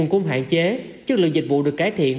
cùng hạn chế chất lượng dịch vụ được cải thiện